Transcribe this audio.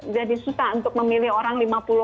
jadi susah untuk memilih orang